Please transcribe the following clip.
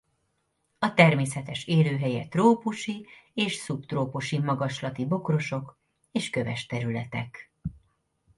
A természetes élőhelye trópusi és szubtrópusi magaslati bokrosok és köves területek.